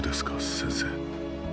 先生。